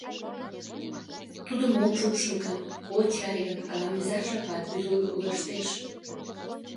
Тудым от шупшыл гын, от чаре гын, ала-мызар жапат вӱдылыштеш...